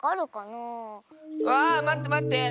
あまってまって！